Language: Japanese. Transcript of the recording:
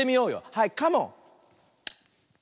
はいカモン！